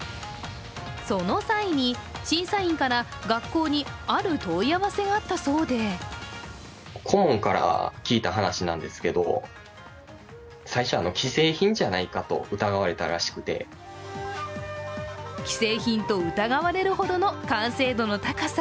その際に、審査員から学校にある問い合わせがあったそうで既製品と疑われるほどの完成度の高さ。